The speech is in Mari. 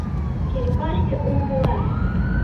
— Черепашке умдыла.